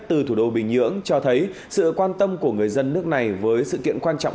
từ thủ đô bình nhưỡng cho thấy sự quan tâm của người dân nước này với sự kiện quan trọng